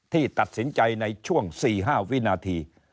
ที่ตัดสินใจในช่วง๔๕วินาที